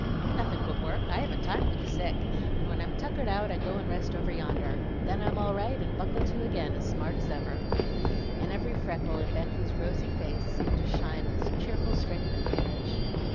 "Nothing but work; I haven't time to be sick, and when I'm tuckered out, I go and rest over yonder. Then I'm all right, and buckle to again, as smart as ever;" and every freckle in Becky's rosy face seemed to shine with cheerful strength and courage.